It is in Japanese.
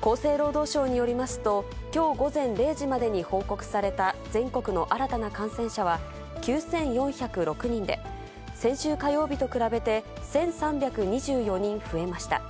厚生労働省によりますと、きょう午前０時までに報告された全国の新たな感染者は９４０６人で、先週火曜日と比べて１３２４人増えました。